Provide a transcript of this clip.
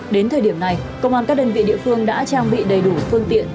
đến thời điểm này công an các đơn vị địa phương đã trang bị đầy đủ phương tiện